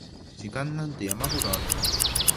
時間なんて山ほどあった